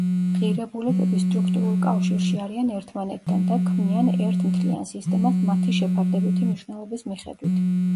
ღირებულებები სტრუქტურულ კავშირში არიან ერთმანეთთან და ქმნიან ერთ მთლიან სისტემას მათი შეფარდებითი მნიშვნელობის მიხედვით.